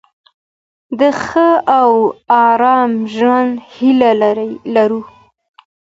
د ښه او آرامه ژوند هیله لرو.